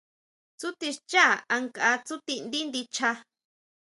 Tsúti xchá ankʼa tsúti ndí ndicha.